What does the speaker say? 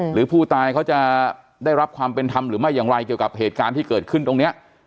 หรือผู้ตายเขาจะได้รับความเป็นธรรมหรือไม่อย่างไรเกี่ยวกับเหตุการณ์ที่เกิดขึ้นตรงนี้